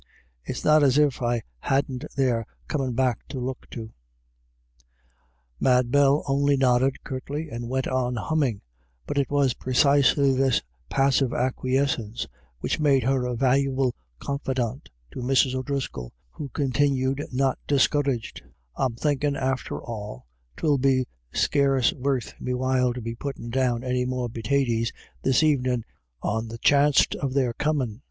It's not as if I hadn't their comin' back to look to." Mad Bell only nodded curtly and went on humming ; but it was precisely this passive acqui escence which made her a valuable confidante to Mrs. O'Driscoll, who continued, not discouraged :" I'm thinkin' after all 'twill be scarce worth me while to be puttin' down any more pitaties this HERSELF. 153 1 evenin* on the chanst of their comin*.